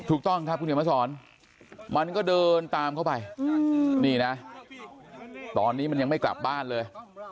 ถูกต้องครับคุณเขียนมาสอนมันก็เดินตามเข้าไปนี่นะตอนนี้มันยังไม่กลับบ้านเลย